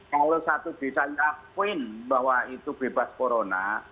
kalau satu bisa ngakuin bahwa itu bebas corona